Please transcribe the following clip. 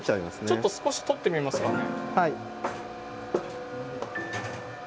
ちょっと少し取ってみますかね。